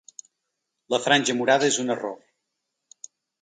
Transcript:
La franja morada és un error.